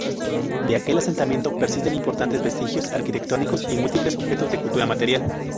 De aquel asentamiento persisten importantes vestigios arquitectónicos y múltiples objetos de cultura material.